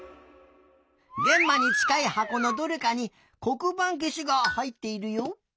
げんまにちかいはこのどれかにこくばんけしがはいっているよ。